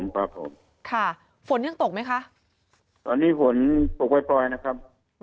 ครับผมค่ะฝนยังตกไหมคะตอนนี้ฝนตกปล่อยปล่อยนะครับ